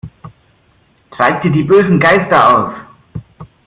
Treibt ihr die bösen Geister aus!